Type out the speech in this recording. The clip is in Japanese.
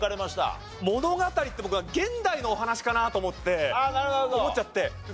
物語って僕は現代のお話かなと思って思っちゃって。